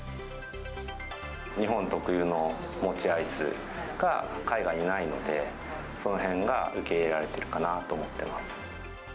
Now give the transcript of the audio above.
日本特有の餅アイスが海外にないので、そのへんが受け入れられているかなと思っています。